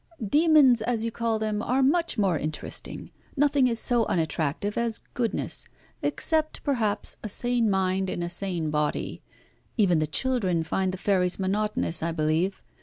"Demons, as you call them, are much more interesting. Nothing is so unattractive as goodness, except, perhaps, a sane mind in a sane body. Even the children find the fairies monotonous, I believe.